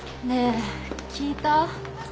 ねえ聞いた？